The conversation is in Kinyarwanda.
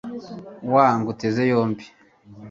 wa nguteze yombi